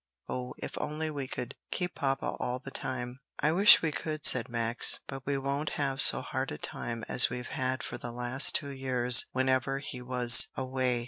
Oh, if only we could keep papa all the time!" "I wish we could," said Max. "But we won't have so hard a time as we've had for the last two years whenever he was away."